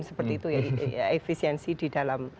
seperti itu efisiensi di dalam negeri